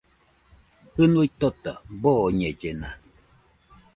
Jɨnuina tota boñellena.